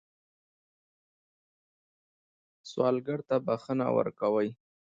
سوالګر ته بښنه ورکوئ